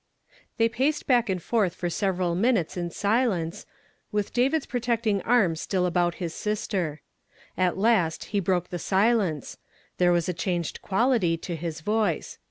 'T^HE Y paced back and forth for several minutes J in silence, a i David's protecting arm still about his sister. At last he broke tlie silence; there was a changed quality to his voice.